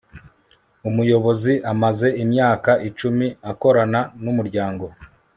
umuyobozi amaze imyaka icumi akorana n'umuryango